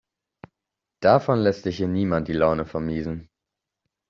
Davon lässt sich hier niemand die Laune vermiesen.